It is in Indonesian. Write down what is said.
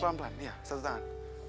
pelan pelan iya satu tangan